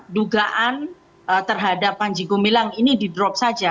dugaan terhadap panji gumilang ini di drop saja